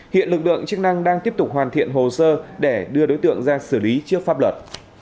hiện lực lượng chức năng đang tiếp tục hoàn thiện hồ sơ để đưa đối tượng ra xử lý trước pháp luật